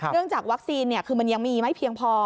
จากวัคซีนคือมันยังมีไม่เพียงพอ